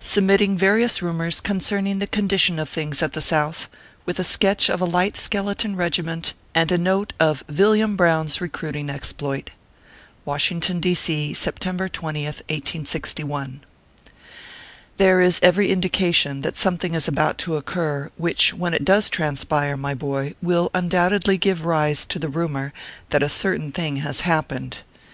SUBMITTING VARIOUS RUMORS CONCERNING THE CONDITION OP THINGS AT THE SOUTH, WITH A SKETCH OF A LIGHT SKELETON REGIMENT AND A NOTE OF VILLIAM BROWN S RECRUITING EXPLOIT. WASHINGTON, D. C., September 20th, 1861. THERE is every indication that something is about to occur, which, when it does transpire, my boy, will undoubtedly give rise to the rumor that a certain thing has happened.